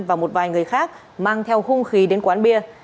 và một vài người khác mang theo hung khí đến quán bia